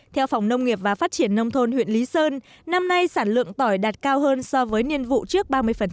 theo phòng nông nghiệp và phát triển nông thôn huyện lý sơn năm nay sản lượng tỏi đạt cao hơn so với niên vụ trước ba mươi